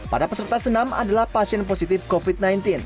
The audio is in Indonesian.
pada peserta senam adalah pasien positif covid sembilan belas